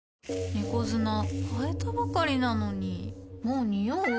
猫砂替えたばかりなのにもうニオう？